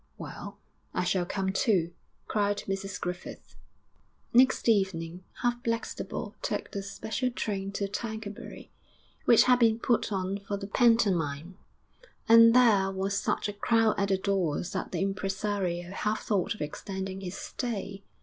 'Well, I shall come too!' cried Mrs Griffith. IX Next evening half Blackstable took the special train to Tercanbury, which had been put on for the pantomime, and there was such a crowd at the doors that the impresario half thought of extending his stay.